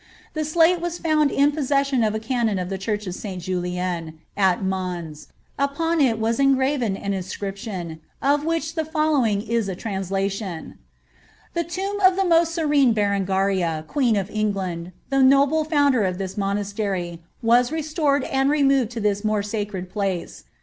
The ilate was found in possession of a canon of the church of St. Julien, at ^lans: upon it was engraven an inscription, of which the following is a translation :^ *^The. tomb of the most serene Berengaria, queen of England, the Doble founder of this monastery, was restored and removed to this more sacred place.